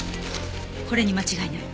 これに間違いない。